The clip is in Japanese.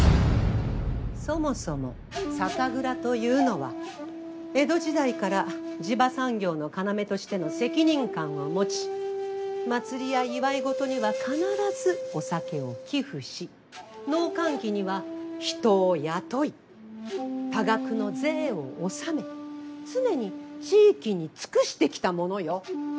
そもそも酒蔵というのは江戸時代から地場産業の要としての責任感を持ち祭りや祝い事には必ずお酒を寄付し農閑期には人を雇い多額の税を納め常に地域に尽くしてきたものよ。